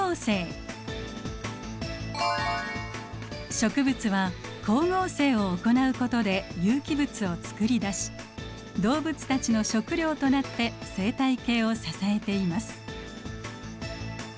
植物は光合成を行うことで有機物を作り出し動物たちの食料となって生態系を支えています。